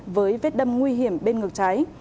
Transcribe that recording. với vết đâm nguy hiểm bên ngược trái